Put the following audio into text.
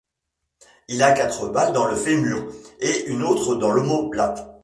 Il a quatre balles dans le fémur et une autre dans l'omoplate.